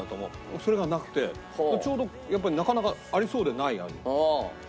それがなくてちょうどやっぱりなかなかありそうでない味。